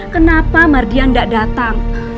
kenapa mardian gak datang